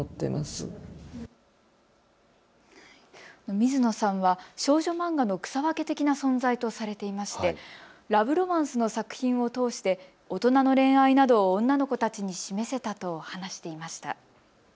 水野さんは少女漫画の草分け的な存在とされていましてラブロマンスの作品を通して大人の恋愛などを女の子たちに示せたと話していました。